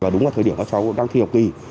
đúng là thời điểm các cháu đang thi học kỳ